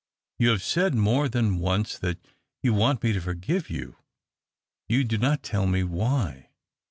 You have said more than once that you want me to forgive you. You do not tell me why."